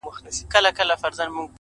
زيرى د ژوند;